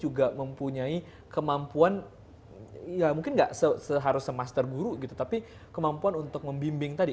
dan hal ini juga mempunyai kemampuan ya mungkin nggak seharusnya master guru gitu tapi kemampuan untuk membimbing tadi